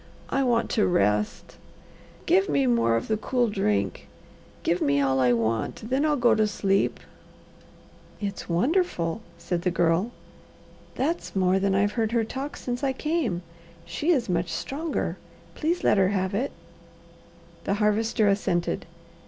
I want to rest. Give me more of the cool drink. Give me all I want, then I'll go to sleep." "It's wonderful," said the Girl. "That's more than I've heard her talk since I came. She is much stronger. Please let her have it." The Harvester assented.